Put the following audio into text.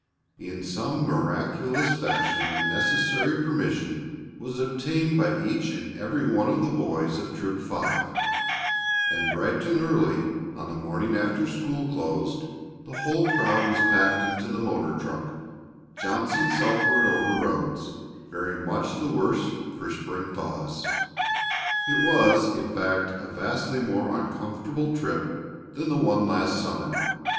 In some miraculous fashion the necessary permission was obtained by each and every one of the boys of Troop Five, and bright and early on the morning after school closed the whole crowd was packed into the motor truck, jouncing southward over roads very much the worse for spring thaws. It was, in fact, a vastly more uncomfortable trip than the one last summer.